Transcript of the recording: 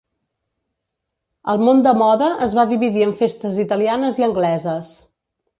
El món de moda es va dividir en festes italianes i angleses.